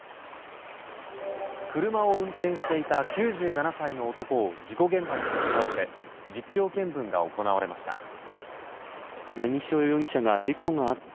車を運転していた９７歳の男を事故現場に立ち会わせ実況見分が行われました。